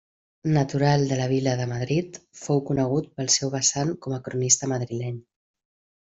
Natural de la vila de Madrid, fou conegut pel seu vessant com a cronista madrileny.